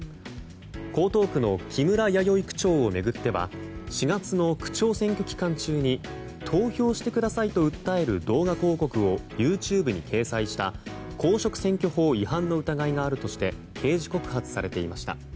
江東区の木村弥生区長を巡っては４月の区長選挙期間中に投票してくださいと訴える動画広告をＹｏｕＴｕｂｅに掲載した公職選挙法違反の疑いがあるとして刑事告発されていました。